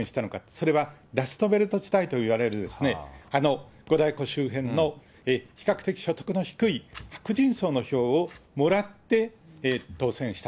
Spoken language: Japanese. それはラストベルト地帯といわれるあの五大湖周辺の比較的所得の低い白人層の票をもらって当選した。